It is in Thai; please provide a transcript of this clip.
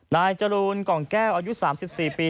นายจรูนกล่องแก้วอายุ๓๔ปี